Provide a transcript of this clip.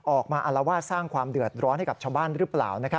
อารวาสสร้างความเดือดร้อนให้กับชาวบ้านหรือเปล่า